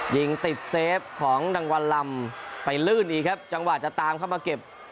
ยิงติดเซฟของดังวันลำไปลื่นอีกครับจังหวะจะตามเข้ามาเก็บ